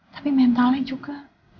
tapi mentalnya juga